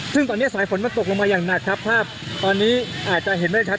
ซึ่งตอนนี้สายฝนมันตกลงมาอย่างหนักครับภาพตอนนี้อาจจะเห็นได้ชัด